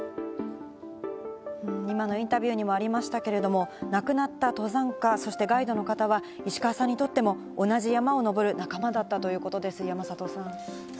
今のインタビューにもありましたけれども、亡くなった登山家、そしてガイドの方は石川さんにとっても同じ山を登る仲間だったということです、山里さん。